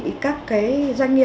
là được cấp chứng chỉ là